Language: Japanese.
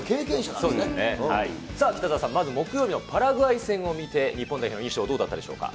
さあ、北澤さん、まず木曜日のパラグアイ戦を見て、日本代表の印象、どうだったでしょうか。